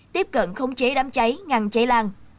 tiếp cận khống chế đám cháy ngăn cháy lan